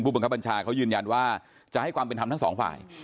บังคับบัญชาเขายืนยันว่าจะให้ความเป็นธรรมทั้งสองฝ่าย